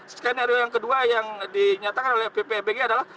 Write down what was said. skenario yang kedua yang dinyatakan oleh ppbg adalah